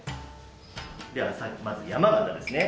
ではまず山形ですね。